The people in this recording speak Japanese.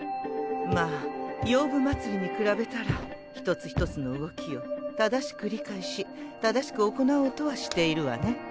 まあ「洋舞祭り」に比べたら一つ一つの動きを正しく理解し正しく行おうとはしているわね。